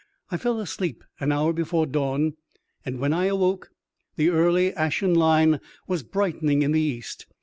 I fell asleep an hour before dawn, and when I awoke, the early ashen line was brightening in the east.